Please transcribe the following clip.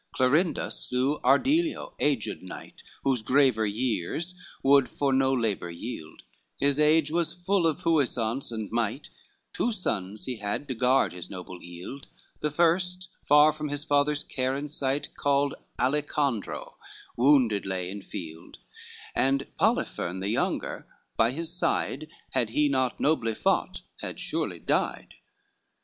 XXXV Clorinda slew Ardelio; aged knight, Whose graver years would for no labor yield, His age was full of puissance and might Two sons he had to guard his noble eild, The first, far from his father's care and sight, Called Alicandro wounded lay in field, And Poliphern the younger, by his side, Had he not nobly fought had surely died.